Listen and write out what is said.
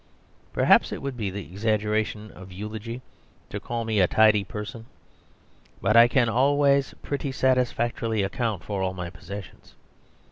Perhaps it would be the exaggeration of eulogy to call me a tidy person. But I can always pretty satisfactorily account for all my possessions.